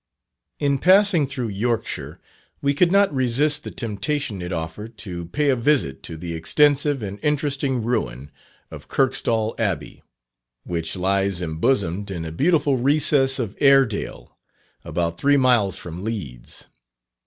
In passing through Yorkshire, we could not resist the temptation it offered, to pay a visit to the extensive and interesting ruin of Kirkstall Abbey, which lies embosomed in a beautiful recess of Airedale, about three miles from Leeds.